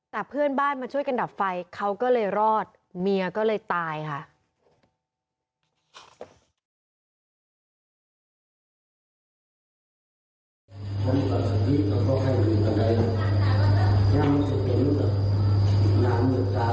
แต่เพื่อนบ้านมาช่วยกันดับไฟเขาก็เลยรอดเมียก็เลยตายค่ะ